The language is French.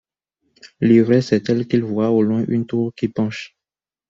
L'ivresse est telle qu'il voit au loin une tour qui penche.